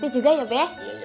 juga ya be